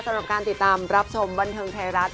สำหรับการติดตามรับชมบันเทิงไทยรัฐ